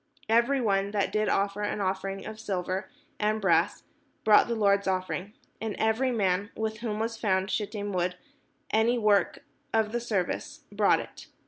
Every one that did offer an offering of silver and brass brought the Lord's offering: and every man, with whom was found shittim wood for any work of the service, brought it.